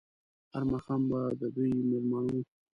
هر ماښام به د دوی مېلمانه وو.